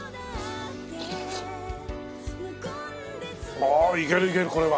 ああいけるいけるこれは！